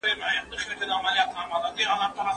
تاریخي معلومات د موجوده وضعیت درک کولو لپاره مهم دي.